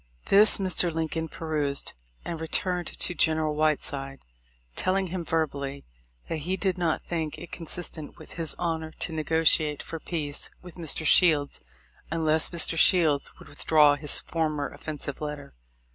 This Mr. Lincoln perused, and returned to General Whiteside, telling him verbally, that he did not think it consistent with his honor to negotiate for peace with Mr. Shields, unless Mr. Shields would withdraw his former offensive letter.